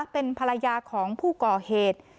เป็นภรรยาของผู้ก่อเหตุ